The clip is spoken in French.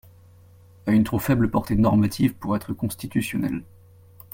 »– a une trop faible portée normative pour être constitutionnelle.